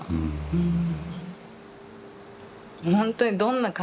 うん。